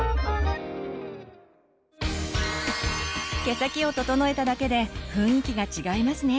毛先を整えただけで雰囲気が違いますね。